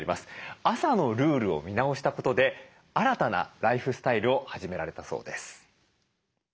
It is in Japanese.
朝のルールを見直したことで新たなライフスタイルを始められたそうです。